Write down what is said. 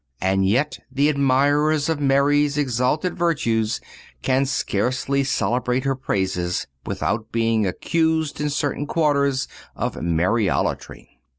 And yet the admirers of Mary's exalted virtues can scarcely celebrate her praises without being accused in certain quarters of Mariolatry.